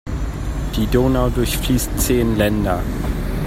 Die Donau durchfließt zehn Länder.